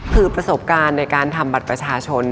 คือประสบการณ์ในการทำบัตรประชาชน